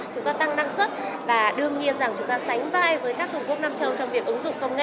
chúng ta tăng năng suất và đương nhiên rằng chúng ta sánh vai với các cường quốc nam châu trong việc ứng dụng công nghệ